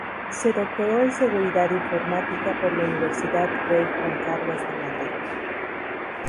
Se doctoró en Seguridad Informática por la Universidad Rey Juan Carlos de Madrid.